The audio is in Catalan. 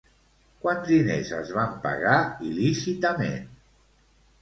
Quants diners es van pagar il·lícitament?